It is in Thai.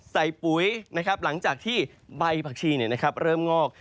ใส่ปุ๋ยนะครับหลังจากที่ใบผักชีเนี่ยนะครับเริ่มงอก